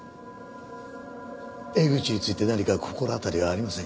エグチについて何か心当たりはありませんか？